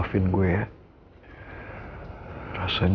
besides untuk jauhi benim